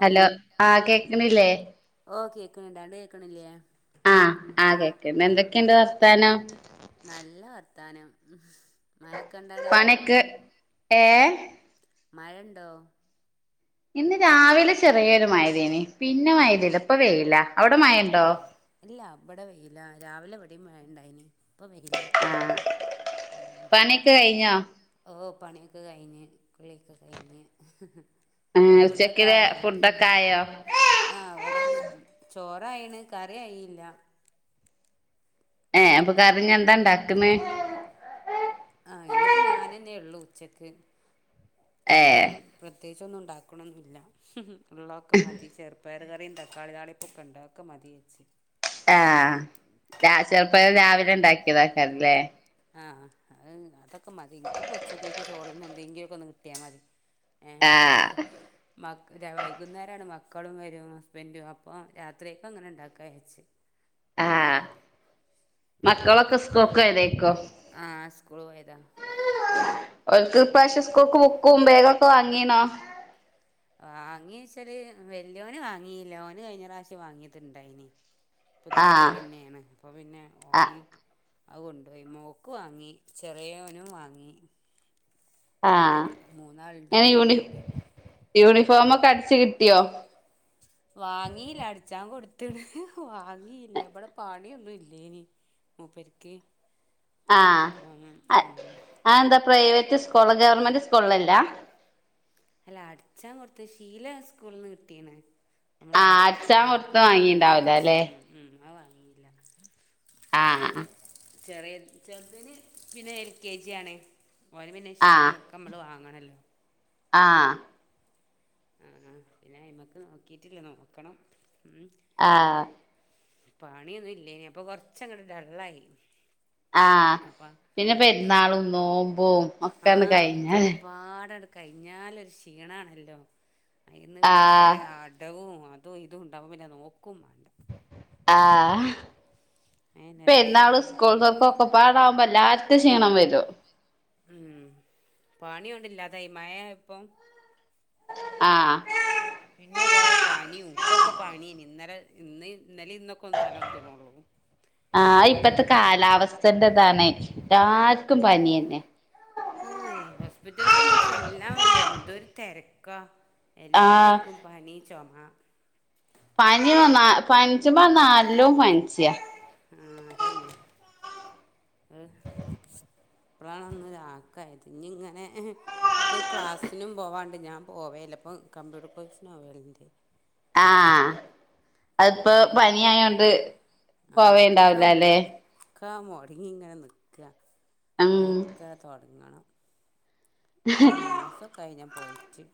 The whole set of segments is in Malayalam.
ഹലോ ആഹ് കേക്ക്ണില്ലേ? ക്കണിണ്ട് അങ്ങ്ട് കേക്കണില്യേ? ആഹ് ആഹ് കേക്കിണ്ട് എന്തൊക്കെണ്ട് വർത്താനം? നല്ല വർത്താനം മയയൊക്കെ ഉണ്ടോ അവിടെ പണിയൊക്കെ ഏ മഴയുണ്ടോ ഇന്ന് രാവിലെ ചെറിയൊരു മയ പെയ്തിനി പിന്നെ മയയ്തീല്ല ഇപ്പ വേയ്ലാ ആ ഇല്ല ഇവിടെ വെയിലാണ് രാവിലെ വരെയും മഴയുണ്ടായേനി ഇപ്പ വെയിലാ ആ പണിയൊക്കെ കഴിഞ്ഞോ ഓ പണിയൊക്കെ കഴിഞ്ഞ് കുള്ളിയൊക്കെ കഴിഞ്ഞ് ആ ഫുഡ്‌യൊക്കെ ഉച്ചക്കിലെ ആയോ ഫുഡൊക്കെ ആയോ ആ അവിടെ ചോറ് ആയെണ് കറി ആയയില്ല ഏ അപ്പൊ കറിഞ്ഞി എന്താ ഇണ്ടാക്ക്‌ന്നേ ആ ഇന്നിപ്പോ ഞാനെന്നെ ഉള്ളൂ ഉച്ചക്ക് ഏ അപ്പോം കെ - പ്രത്യേകിച്ച ഒന്നും ഉണ്ടാക്കണോന്നുല്ല ഉള്ളതൊക്കെ മതി ചെറുപ്പയർ കറിയും തക്കാളി താളിപ്പൊക്കെ ഉണ്ട് അതോക്കെ മതിവെച്ച് ആഹ ചെറുപ്പയർ രാവിലെ ഉണ്ടാക്കിയതാക്ക [unintelligible] രല്ലേ ആ അതൊക്കെ മതി എനിക്ക്പ്പോ ഉച്ചക്കേക്ക് ചോറിന് യെന്തെകിലും ഒക്കെ ഒന്ന് കിട്ടിയാ മതി ഏഹ് ആ മ്മാക് വൈകുന്നേരാണ് മ- മക്കളും വരും ഹസ്ബന്റും അപ്പൊ രാത്രിയക്കങ്ങനെ ഉണ്ടാക്കാവെച്ച് ആ മക്കളൊക്കെ സ്കൂൾക്കോയതേക്കോ ആഹ് സ്കൂൾ പോയതാ ഓല്ക്ക് ഇപ്രാവശ്യം സ്കൂൾക്ക്‌ ബുക്കും ബേഗൊ പ്പൊ വാങ്ങീണോ വാങ്ങീച്ചാല് വെല്ല്യോന് വാങ്ങീല്ലാ ഓന് കഴിഞ്ഞറാശ്യം വാങ്ങിയത്ണ്ടായിനി പുതിയ ആഹ് ബേഗെന്നേണ് അപ്പൊ പിന്നെ ആഹ് ഓന് അവു കൊണ്ടോയി മോള്ക്ക് വാങ്ങി ചെറിയോനും വാങ്ങി ആഹ് ഞാന് മൂന്നാളുണ്ടെനിക്ക് യൂണിഫ് പോണോല് യൂണി ഫോമൊക്കെ അടിച്ച് കിട്ടിയോ വാങ്ങിയില്ല അടിച്ചാൻ കൊടുത്ത്ണ് വാങ്ങിയില്ല ഇവിടെ പണിയൊന്നും ഇല്ലേനി മൂപ്പരിക്ക് ആഹ് അതെന്താ പ്രൈവറ്റ് സ്കൂൾ ഗവൺമെന്റ് കൊള്ളല്ല അല്ല അടിച്ചാൻ കൊടുത്ത് ഷീല സ്കൂളിൽന്ന് കിട്ടീണ് നമ്മള് ആഹ് അടിച്ച് അട്ച്ചാൻ കൊട്ത്ത അടിക്കും വാങ്ങിണ്ടാവൂലല്ലെ ഉം ഉം [inaudible] ആഹ് ചെറിയ ചെറുതിന് പിന്നെ എൽ കെ ജി ആണ് ഓന് പിന്നെ ആഹ് ശീലിം ഒക്കെമ്മള് വാങ്ങണല്ലോ ആഹ് ആ ആ പിന്നെ അയ്മക്ക് നോക്കീട്ടില്ല നോക്കണം ആഹ് പണിയൊന്നും ഇല്ലേനി പ്പൊ കൊർച്ചങ്ങട്ട് ഡള്ളായി ആഹ് അപ്പൊ പിന്നെ ഇനി പെര്ന്നാളും നോമ്പും ഒക്കെണ്ട് ആഹ് കഴിഞ്ഞാല് ഒക്കപ്പാടട് കഴിഞ്ഞാലൊരു ക്ഷീണാണല്ലോ അന്ന് പിന്നെ ആഹ് കൊറേ അടവും അതും ഇതും ണ്ടാവുമ്പോ പിന്നെ നോക്കും ആഹ് അയെന്നെ പെരുന്നാളും രക്ഷപ്പെടാൻ സ്കൂൾ തുറപ്പും ഒക്കെപ്പാടാവുമ്പോല്ലാ ക്ഷീണം വരു ഉം പണിയുണ്ടില്ലാതായി മഴ ആയപ്പം ആഹ് പിന്നെ കൊറെേ പനിയും ൻക്കൊക്കെ പനിയേനി ഇന്നലെ ഇന്ന് ഇന്നലിം ഇന്നൊക്കെ ഒന്ന് തലോന്ന്ണൊള്ളൂ ആഹ് ഇപ്പത്തെ കാലാവസ്ഥന്റെ താണെയ് ഉ ആ ഹോസ്പിറ്റൽക്കൊന്നും ചെല്ലാൻ വയ്യ. എന്തൊരു തെര ക്കാ ആഹ് എല്ലാർക്കും പനി ചു ആ പനി വന്നാ പ ചുമ്പം നല്ലോ പനിച്ച ആ അതന്നെ ഓ ഇപ്പഴാണ് ഒന്ന് ഒരാക്കായത് ഇനി ഇങ്ങനെ ഇക്ക് ക്ലാസ്സിനും പോവാണ്ട് ഞാൻ പോവേല്ല ഇപ്പൊ കമ്പ്യൂട്ടർ കോഴ്സിന് പോവലിന്റ് ആഹ് അതിപ്പോ പ പനിയായോണ്ട് ആ ഒക്കെ പോവേണ്ടാവില്ല ല്ലെ മുടങ്ങി ഒക്കെ മൊടങ്ങി ഇങ്ങനെ നിൽക്കാ ഉം ഇനി ഒക്കെ തൊ തൊടങ്ങണം ഒരു മാസക്കെ ആയിന്ന് പോയിട്ട്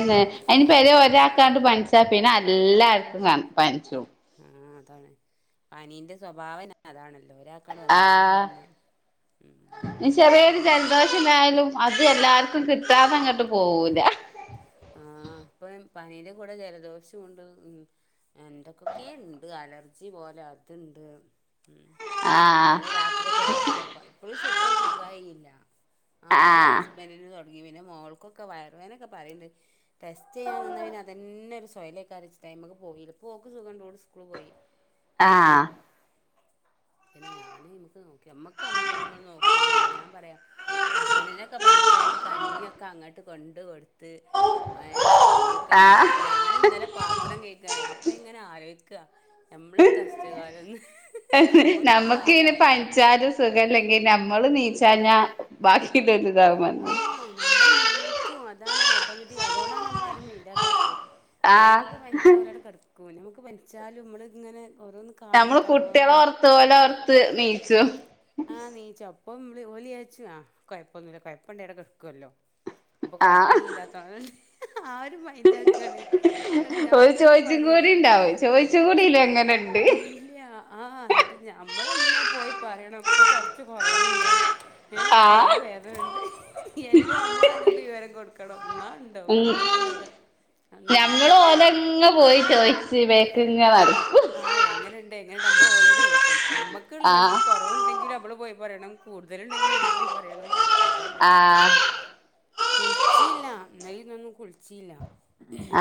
ഏ പര ഒരാൾക്കാണ്ട് പനിച്ചാ പിന്നെ എല്ലാർക്കും കാണും പനിച്ചും ആ അതാണ് പനീന്റെ സ്വഭാവം പിന്നെ അതാണല്ലോ ഒരാൾക്കവിടെ വന്നാൽ ആഹ് പിന്നെ ഉം ഇനി ചെറിയൊരു അങ്ങനെ ജലദോഷം എന്തായാലും അ ത് എല്ലാർക്കും കിട്ടാതെ അങ്ങോട്ട് പോവൂല ആ ഇപ്പം പനിയുടെ കൂടെ ജലദോഷം ഉണ്ട് എന്തൊക്കെക്കെയോ ഉണ്ട് അലർജി പോലെ അതുണ്ട് ഉം ആഹ് ഇന്നലെ രാത്രിയൊക്കെ വെറക്കപ്പാ ഇപ്പോളും ശരിക്കങ്ങോട്ട്‌ സുഖായില്ല ആദ്യം ആഹ് ഹസ്ബൻഡിന് തുട പിന്നെ മോൾക്കൊക്കെ വയർ വേദനയൊക്കെ പറയുണ്ട് ടെസ്റ്റ് ചെയ്യാൻ നിന്നാ പിന്നെ അതന്നെ ഒരു സു പൊയില ഒക്കെ അരച്ച് ടൈമുക്കെ പോയി ഇപ്പോ ഓൾക്ക് സുഖമുണ്ട് ഓള് സ്കൂള് പോയി ഉം ആഹ് പിന്നെ ഞാനേ നമുക്ക് നോക്കി നമ്മുക്ക് പിന്നെ നമ്മൾ നോക്കൂലല്ലോ ഞാൻ പറയാം ഹസ്ബൻഡിനൊക്കെ പനിച്ചാൽ കഞ്ഞിയൊക്കെ അങ്ങോട്ട് കൊണ്ട് കൊടു ത്ത് ഏ റൂമ്ക്ക് തന്നെ കൊ ആഹ് ഞാൻ ഇന്നലെ പാത്രം കഴുകാ അപ്പം ഇങ്ങനെ ആലോ ടുക്കാ നമ്മളൊരു കഷ്ടകാലംന്ന് നമ്മക്ക് നമുക്ക് പനി ഇനി ആയാലോ എന്താ പനിച്ചാലും സുഖം ഇല്ലെങ്കി നമ്മള് നീച്ചാ തന്നെ ബാക്കി കിട്ടും ആഹ് ഞമ്മൾ നീക്കും അതാണ് ഓ ട്ടോമാറ്റിക് അതോണ്ടാണ് നമ്മളാരും മൈൻഡ് ആക്കാത്തെ ത്തെ ആഹ് ഓൽക്കൊക്കെ പനിച്ചാ ഓലവിടെ കിടക്കും ന ഒക്കെ പനിച്ചാലും നമ്മള് ഇങ്ങനെ ഓരോന്ന് കാണുമ്പോ നമ്മള് കുട്ടികള് താനും ഓർത്ത ഓലെ ഓർത്ത് നീയിച്ചും ആ നീചോം പ്പം മ്മള് ഓലിയാര്ചും ആ കൊയപൊന്നുല്ല കൊയപ്പണ്ടേലടെ കൊ ല്ലോ അപ്പൊ ആഹ് കൊയപ്പൊന്നുല്ലാതഅ ആര് മൈന്റാകാന് ങ്ങനെ ഒരു ഞാൻതെന്നെ ചോയിച്ചും പറ്യും കൂടി ഉണ്ടാവും ചോയിച്ചും ചു കൂടിയില്ലേ എങ്ങനെണ്ട് ഇല്ല്യ ആ ങ്ങട്ട് ഞാ മമള് അങ്ങ് പോയി പറ്യണം പ്പൊ കൊറച് ഇപ്പം കൊറവ്ണ്ട് ഏ ഇപം അവിടെ ആഹ് വേദനണ്ട് എല്ലും ഞമ്മളങ്ങട്ട് വിവരം കൊട്ക കട അ ഉം അതൊന്നുല്ല ഞമ്മള് ഓന്റങ്ങ് പോയി ട്ട് പോയി പി വേക്ക്ങ്ങ നട് ആ എങ്ങനെണ്ട് എങ്ങനെണ്ട് അമ്മള് ഓലോട് ചോയ്കും അമ്മക്ക്‌ ള്ള ആഹ് കൊറവ്ണ്ടങ്കില് അവള് പോയി പറണം കുടുതല് ഇണ്ടെങ്കിലും അവള് പോയി പ പറ്യണം ആ കുളിച്ച്യില്ല ഇന്നലിം ഇന്നൊന്നും കുളിച്ച്യില്ല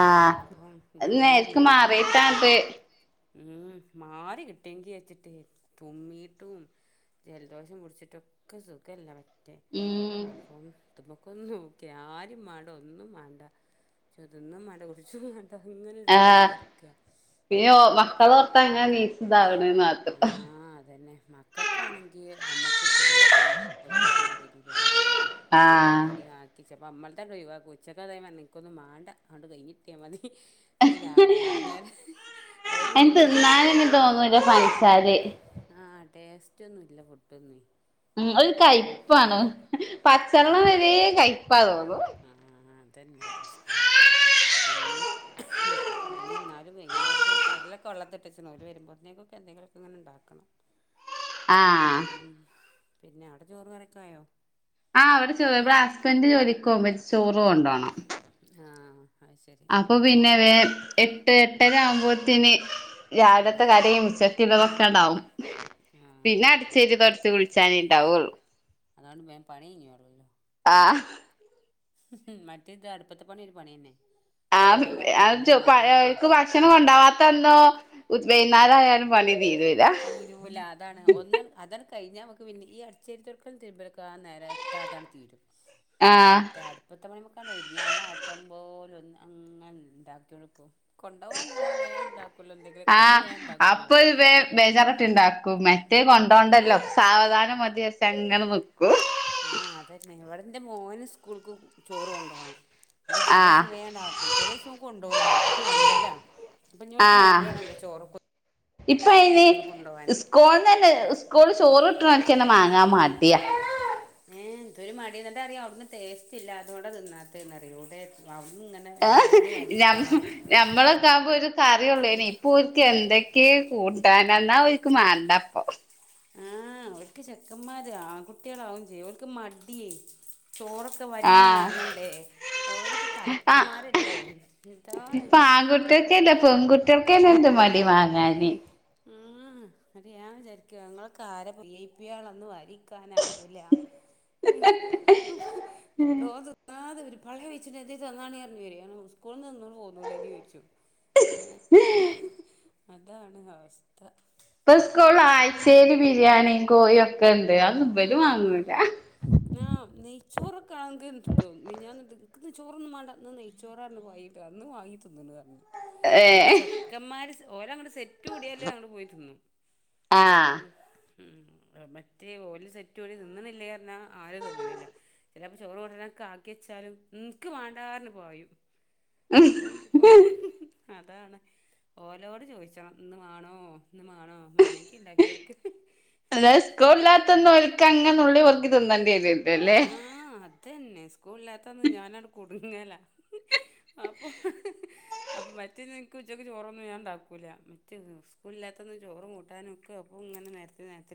ആഹ് അത് നേർക്ക് മാറിയിട്ടാത് ഉ മാറി കിട്ടിയെങ്കിൽ വെച്ചിട്ട് തുമ്മീട്ടും ജലദോഷം കുടിച്ചിട്ടൊക്കെ സുഖല്ല റ്റേ ഉം അപ്പം തുമ്പുകു നോക്യാ ആരിം മാണ്ട ഒന്നും മാണ്ട തിന്നുംമാണ്ട കുടിചുംമാണ്ട ത അങ്ങനെര്തിലങ്ങ് നട്കാ കവർതാ ഇങ്ങനെ നീചി താവ് അ യിനാക് ത മക്കക്കാണെങ്കി അമ്മക് സുഖല്യാതദൊന്നും അവർക് പറഞ്ഞാ തിരീലല്ലോ ചായേം ആഹ് കടിം ആക്കി സെപ്പം അമ്മൾതരേയ് വാ കുച്ചക് അതേഴിമനിക്ക് ഒന്നും മാണ്ട അട് കൈഞ്ഞിട്ടേയ് മതീ ഇനി രാ വൈകുന്നേരം ഓല് അയിന് വരുംബതേക് തിന്നാനൊന്നും തോന്നൂല പൻസാര് ആടേസ്റ്റൊന്നുല്ല ഫുഡൊന്നേ ഉം ഒര് കൈപാണ് പച്ചള്ളം വരേ കൈ ആ അതെന്നെ അവസ്ഥ കുഞ്ഞ് ഇനി എന്നാലും വൈകുന്നേരത്തെേക് കടലൊകെ വെള്ളതിലിട്ടെചിണ് ഓല് വരുംബതിനേകൊകെ എന്തെങ്കിലൊകെങ്ങനെ ഇണ്ടാക്കണം ആഹ് പിന്നെഅവിടെചോറും കറിയൊകായോ ആഹ് ഇവിടെ ചോറ് ഹസ്ബൻഡറ് ജോലിക്ക് പോകുമ്പേ ചോറ് കൊണ്ടോണം ആഹ് അത് ശരി അപ്പൊ പിന്നെ വേ എട്ട് എട്ടര ആകുമ്പോത്തിന് ഉം രാവിലത്തെ കടിയും ഉച്ചക്കില്ലാതൊക്കെ കണ്ടാവും ആഹ് പിന്നെ അടിച്ചരി തുടച്ച് കുളിച്ചാനേ ണ്ടാവുള്ളൂ അതോണ്ട് വേം പണിയിഞ്ഞോള്ളല്ലോ ആഹ് മറ്റേ ഇത് അടുപ്പത്തെ പണി പണിന്നെ ആ അക്ക് പോണെ ഭക്ഷണം കൊണ്ടാവാത്തന്നോ ഉം വൈന്നാരായാലുംപണി തീറരില്ല കഴിഞ്ഞൽ നമക്ക് പിന്ന ഈ അടച്ചരി തുക്കരു ത്താതാണ് ആഹ് തീരുംറ്മറ്റെ അയ്മക്കാണ്ടൊര്ങ്ങ്യ അമളാക്കമ്പോലൊന്ന് അങ്ങനെണ്ടാക്ക്യോ ണ്ട്ക്കു കൊണ്ടൊവാണ്ടെങ്കി മ്മള് വേണ്ടാക്കല്ലോ എന്തെങ്കിലൊകെള്ളഹ് ആഹ് വേണ്ടാക്കല്ലോ അപ്പൊ തെ കൊണ്ടോണ്ടല്ലോ സാവധാനം മതിയെ ചെങ്ങന വെ ആ അതന്നെ ഇവിടെന്റെ മോന് സ് കൂൾക്ക് ചോറ് കൊണ്ടോണം പം ആഹ് ചെലേസം വേഅണ്ടാക്കും ചെലേസം ഒൻ കൊണ്ടോഉല മടി ഒമ്പേലാ പ്പം ഞ്ഞിഓൽക് ക്ക് മടിയാണല്ലോ ചോറൊക്കെ ഇപ്പ അയ്ന് ഒന്ന് കൊണ്ടോവാന് സ്കോൾന്നെന്നെ സ് സ്കൂള് ചോറ് ട്ട്ണോൻക്കെന്നെ മാങ്ങാൻ മാടിയ ഏ എന്തൊരു മടി എന്ന്ട്ട അറിയൊ അവിടന്ന് ട്ടേസ്റ്റ് ഇല്ലതോണ്ട തിന്നാത്തെ ആ് ഞമ് ഞമ്മളൊക്കെ ആഉമ്പോ ഒരു കറിയുള്ളേഞ്ഞി ഇപ്പൊ ഓല്ക്ക് എന്തൊക്കെ കൂട്ടാനന്നാ ഓൽക് മാണ്ട പ്പൊ ആ അവർക്ക് ചെക്കന്മാര് ആൺ കുട്ടിളാവും ചെയ്യ ഓൽക്ക് മടി ചോറൊക്കെ വരിന്ന് ആഹ് മാങ്ങണ്ടേ ഓലൊക് ആഹ് കളക്ടർമാരല്ലേ ഇതാണ് ഇപ്പൊ ടി വങ്ങാന് ആ ന്നട്ട് ഞാൻ വിചാരിക്കും ങ്ങളെക്കാരവി ഐ പി ളോ ന്ന് വരിക് ക്കാന് ആവൂല [unintelligible] പള്ളേ പയ്ച്ചിണ്ട് എന്തേ തന്നാണി അറിഞ് വരേ സ്കൂൾന്നോന്നും പോന്നൂടേഞൊയ്ചും അതാണ് അവ ത പ്പ സ്കൂൾള് ആഴ്ചേല് ബിരിയാണി കോഴി ഒക്കെ ണ്ട് അത് ബല് വാങ്ങൂല ആ നെയ്ച്ചോറൊക്കെആൺങ്കി ത്തി മിഞ്ഞാന്ന് ക് ചോറൊന്നും വേണ്ട ന്ന് നെയ്‌ച്ചോറാന്ന് പറിണ്ട് ഇന്ന് വാങ്ങി തിന്നീണ് അന്ന് ഏഹ് ചെക്കന്മാര് ഓര അങ്ങട് സെറ്റ് കൂടിയാലേ അങ്ങട് പോയിത്തിന്നു ഉ ആഹ് ഉ മറ്റേ ഓല് സെറ്റ് ഒരു തിന്ന്ണില്ലേ ർഞാ ആരും ത്തിന്ന്ണില്ല ചെലേപം ചോറ് കൊണ്ടരാൻ ആക്കിച്ചാലും ഇൻക്ക് വണ്ടാർഞ് പായും അപ്പം കൊ അതാണ് ഓലോട് ചോയിച്ചണം ഇന്ന് വേണോ ന്ന് മാണോ മാണങ്കി ണ്ടാക്കി കൊടുക്ക് അതെ ത്ന്നണ്ടിരും ആഹ് അതന്നെ സ്കൂളില്ലാത്ത ഇന്ന് ഞാനട് കുടുങ്ങല അപ്പം അപ്പം മറ്റേ നിനിക്ക് ഉച്ചയ്ക്ക് ചോറൊന്നും വാണ്ടാക്കില്ല മറ്റേ സ്കൂളില്ലാത്തന്ന് ചോറും കൂട്ടാനും ഒക്കും അപ്പൾ ഇങ്ങനെ നിരത്തി നിരത്തി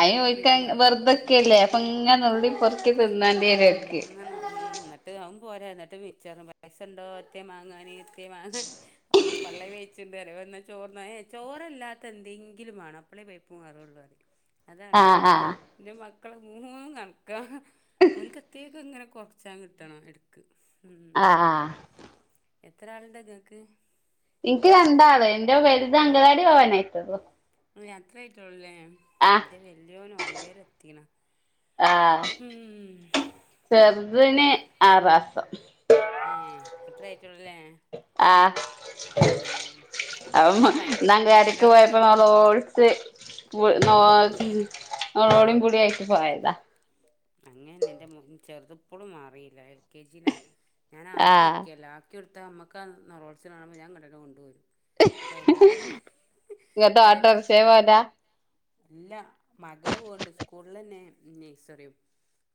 അയോയിക്കാ വെറുതൊക്കെല്ലേ അപ്പൊ ഇങ്ങനെുള്ളി പിങ്ങ ഉ നട്ട് ആും പോരായിര എന്നിട്ട് മിച്ച പൈസ ഉണ്ടോ ഒത്തിയ മാങ്ങാനൻ അക്കേമാണ് അപ്പം പള്ളി വിച്ചണ്ട് വരെ വന്ന ചോറ്ഏ ചോറല്ലാത്ത എന്തെങ്കിലും വേണം അപ്പള വയപ്പ മാറുള്ള അതാണേ ആഹ് ആഹ് എന്റെ മക്കള മൂന്ന നടക്ക ഒരു കത്തിയൊക്കെ ഇങ്ങനെ കുറച്ച കിട്ടണം എടുക്ക് ആ് ആഹ എത്ര ആളന്താ കേൾക്ക് എനിക്ക് രണ്ടാള് എന്റെ വലുത അങ്കലാടി പോവാനായിട്ടത്ോ അ അത്രയയിട്ട ഉള്ളല്ലേ എന്റെ വല്യോൻ ഒമ്പേരെ എത്തിക്കണ ആ ഹം ചെറുതിന് ആറാസം ഏ എത്ര ആയിറ്റള്ളല്ലേ അന്താ ഭയങ്കര കരക്ക് പോയപ്പോ പിത്തനകളാണല്ലോ നമ്മള ഓടിച്ച് പോയി ഉം തോടും കൂടിയക്കി പോയതാ അങ്ങന എൻറെ മു ചെറുതപ്പോഴും മാറിയില്ല എൽ കെ ജിയിലാ ഞാൻ ആ ആക്കി ഉറക്കിയല്ലാ ഒക്കെടുത്ത നമ്മക്ക് ആ നറോത്സിനാവുമ്പോ ഞാ കണ്ടട്ട കൊണ്ട പോരും അപ്പൊ അയലേറെ [unintelligible] ഇങ്ങട്ട് അയല ഓട്ടോറിക്ഷേ പോവലാ അല്ല മകള് പോവ്ണ്ട് സ്കൂളിലന്നെ നേഴ്‌സറിയും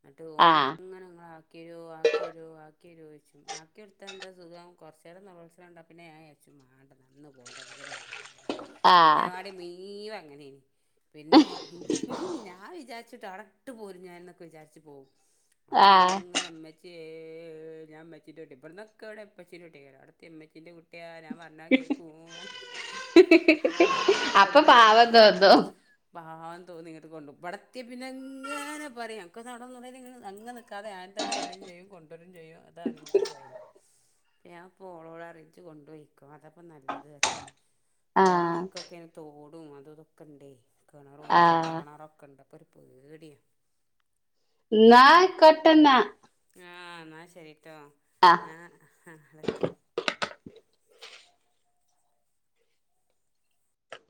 ന്നട്ട് ആ ഓനങ്ങനെ ങ്ങളാ ക്കിരോ ആക്കിരോ ആക്കിരോ ചോച്ചും ആക്കിടുത്ത എന്താ സുഖം കുറച്ച് നേരം നെലോളിച്ചണ് കണ്ട പിന്നെ ഞാൻ വിചാരിച്ചും മാണ്ട ന്ന ഇന്ന് പോണ്ടച്ച് ങ്കടന്നേ കൊണ്ടരും ആ അംഗനവാടി മീവെ ങ്ങനെ പിന്നെ ഞാൻ വിചാ ച്ച്ട്ട് ടാടട്ട് പോരും ഞാൻ ന്ന് ക്കൊ വിചാരിച് പോവും ആ അവിട്ന്ന് ഇങ്ങനെമ്മച്ച്യേ ച്യേ ഞാൻ മ്മച്ച്യേന്റുട്ടി ബ്ട്ന്നൊക്കെവ്ടെ ഉപ്പച്ചീന്റുട്ടിയായോരാ അവ്ടെത്യാ ഉമ്മച്ചിന്റെ കുട്ട്യാ ഞാ പറഞ്ഞാ കേക്കും പറഞ്ഞ് അപ്പൊ ഇങ്ങോട്ട് കൊണ്ടു പോരും പാവം തോന്നും പാവം തോന്നിങ്ങട്ട് കൊണ്ടു ബടെത്ത്യ പിന്നെങ്ങനെ പറയും ക്കൊന്നവടെ നിന്നൂടായിരുനി [unintelligible] അങ്ങ് നിൽക്കാതെ ഞാൻ തന്നെ പറയും ചെയ്യും കൊണ്ടൊരും ചെയ്യും അതാണ് ൻ്റെ [unintelligible] ഞാൻപ്പോ ഓളോടറയും ഇജ്ജ് കൊണ്ടോയിക്കോ അതപ്പം നല്ലത് അറയും ആ പോണ വയിക്കൊക്കെ [unintelligible] [unintelligible] അതുഇതൊക്കണ്ടേ കിണർ ആ ഒരു പൊട്ട കിണറൊക്കണ്ട് അപ്പറ് പേടിയ ന്നാ ആയ്ക്കോട്ടെന്ന ആ ന്നാ ശരി ട്ടോ ഞാൻ ആ [unintelligible]